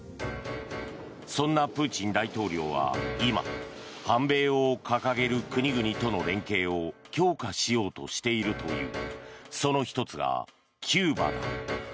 そんなプーチン大統領は今、反米を掲げる国々との連携を強化しようとしているという。